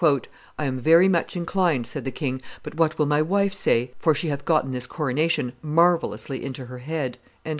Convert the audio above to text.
"I am very much inclined," said the king; " but what will my wife say? For she hath gotten this coronation marvellously into her head."